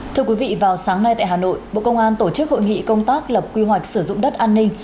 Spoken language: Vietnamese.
thưa quý vị vào sáng nay tại hà nội bộ công an tổ chức hội nghị công tác lập quy hoạch sử dụng đất an ninh